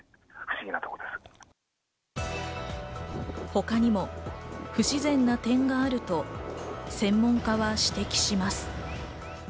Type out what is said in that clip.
他にも不自然な点があると専門家は指摘します。